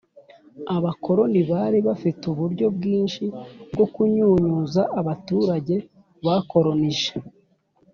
abakoroni bari bafite uburyo bwinshi bwo kunyunyuza abaturage bakoronije.